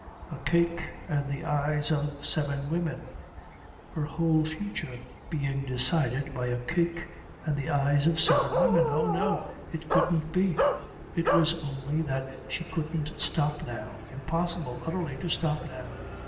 A cake and the eyes of seven women. Her whole future being decided by a cake and the eyes of seven women. Oh, no, it couldn't be. It was only that she couldn't stop now. Impossible, utterly, to stop now.